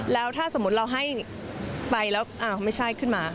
แล้วถ้าสมมุติเราให้ไปแล้วอ้าวไม่ใช่ขึ้นมา